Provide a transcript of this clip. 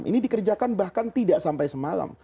ini dikerjakan bahkan tidak sampai semalam